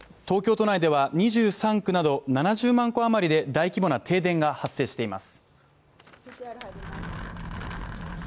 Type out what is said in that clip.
東京都内では２３区など７０万戸余りで大規模な停電が発生しています。